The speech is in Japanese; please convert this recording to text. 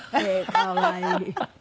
可愛い。